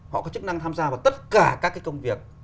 họ có chức năng tham gia vào tất cả các cái công việc